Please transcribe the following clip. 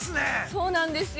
◆そうなんですよ。